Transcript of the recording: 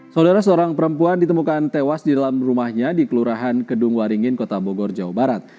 saudara seorang perempuan ditemukan tewas di dalam rumahnya di kelurahan kedung waringin kota bogor jawa barat